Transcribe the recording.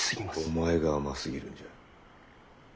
お前が甘すぎるんじゃ。